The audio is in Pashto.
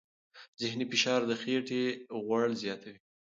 ذهني فشار د خېټې غوړ زیاتوي.